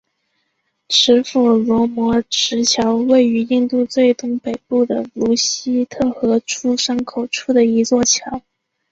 持斧罗摩池桥位于印度最东北部的鲁西特河出山口处的一座桥。